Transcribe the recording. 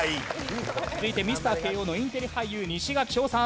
続いてミスター慶応のインテリ俳優西垣匠さん。